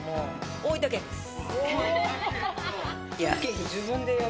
大分県です。